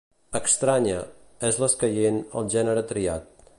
"extraña" és l'escaient al gènere triat.